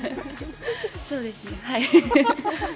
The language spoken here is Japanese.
そうですね、はい。